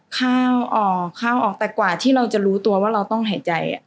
ข้าวออกข้าวออกแต่กว่าที่เราจะรู้ตัวว่าเราต้องหายใจ